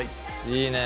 いいね。